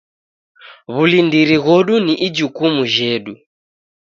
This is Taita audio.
W'ulindiri ghodu ni ijukumu jhedu.